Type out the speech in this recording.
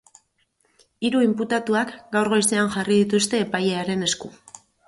Hiru inputatuak gaur goizean jarri dituzte epailearen esku.